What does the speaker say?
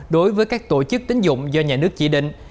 đối với các tổ chức tính dụng do nhà nước chỉ định